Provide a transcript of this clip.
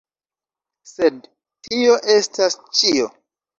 Sed tio estas ĉio.